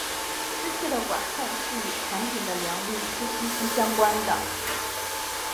湿气的管控是与产品的良率是息息相关的。